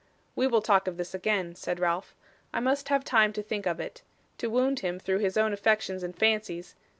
'We will talk of this again,' said Ralph. 'I must have time to think of it. To wound him through his own affections and fancies